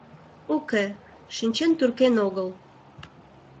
Уке, шинчен туркен огыл.